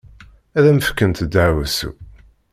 Ad am-fkent ddeɛwessu.